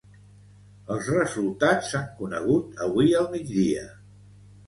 Els resultats s’han conegut avui al migdia.